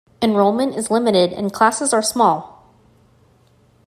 Enrollment is limited and classes are small.